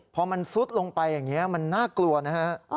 พอมันซุดลงไปอย่างนี้มันน่ากลัวนะฮะ